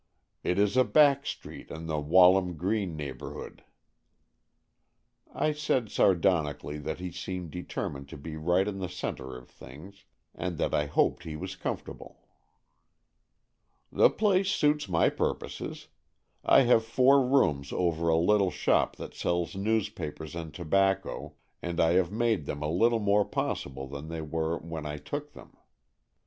'' It is a back street in the Walham Green neighbourhood." I said sardonically that he seemed deter mined to be right in the centre of things, and that I hoped he was comfortable. " The place suits my purposes. I have four rooms over a little shop that sells news papers and tobacco, and I have made them a little more possible than they were when I took them.